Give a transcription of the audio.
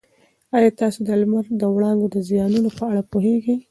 ایا تاسي د لمر د وړانګو د زیانونو په اړه پوهېږئ؟